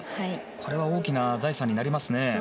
これは大きな財産になりますね。